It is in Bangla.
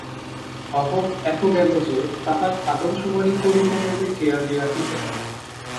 বাহক এত গেল যে তাহার আদমসুমারি করিতে হইলে কেরানি রাখিতে হয়।